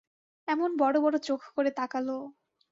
এমন বড় বড় চোখ করে তাকাল।